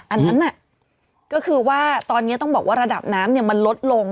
อันนั้นน่ะก็คือว่าตอนนี้ต้องบอกว่าระดับน้ำมันลดลง